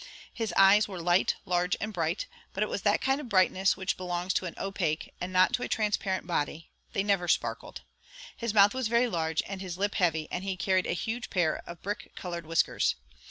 His eyes were light, large, and bright, but it was that kind of brightness which belongs to an opaque, and not to a transparent body they never sparkled; his mouth was very large, and his lip heavy, and he carried a huge pair of brick coloured whiskers.